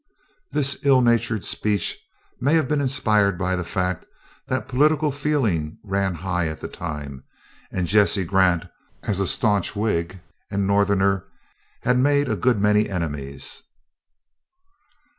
This ill natured speech may have been inspired by the fact that political feeling ran high at that time; and Jesse Grant as a staunch Whig and Northerner had made a good many enemies.